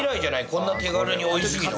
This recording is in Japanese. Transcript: こんな手軽に美味しいの。